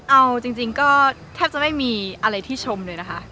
เอาจริงก็แทบจะไม่มีอะไรที่ชมเลยนะคะ